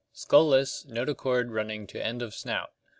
Skull less, notochord running to end of snout.